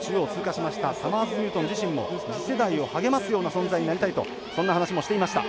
サマーズニュートン自身も次世代を励ますような存在になりたいとそんな話もしていました。